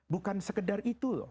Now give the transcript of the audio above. bukan sekedar itu